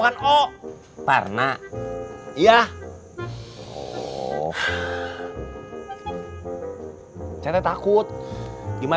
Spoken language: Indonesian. sampai ke kejadian